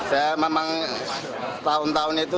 saya memang tahun tahun itu